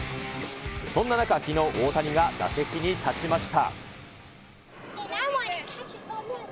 そんな中、きのう、大谷が打席に立ちました。